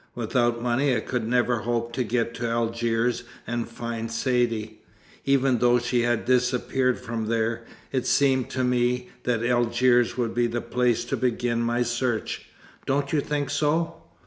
Without money I could never hope to get to Algiers and find Saidee. Even though she had disappeared from there, it seemed to me that Algiers would be the place to begin my search. Don't you think so?"